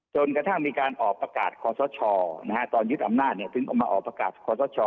จนกระทั่งมีการออกประกาศคอสชตอนยึดอำนาจถึงออกมาออกประกาศคอสช